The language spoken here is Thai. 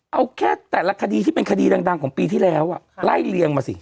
เอาแค่แต่ละคดีที่เป็นคดีดังของปีที่แล้วไล่เลียงมาสิ